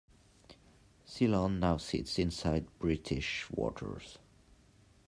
Sealand now sits inside British waters.